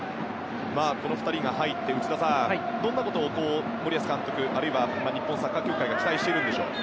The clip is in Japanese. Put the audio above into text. この２人が入って内田さん、どんなことを森保監督あるいは日本サッカー協会は期待しているんでしょうか。